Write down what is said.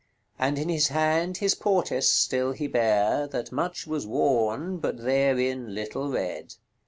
And in his hand his portesse still he bare, That much was worne, but therein little redd."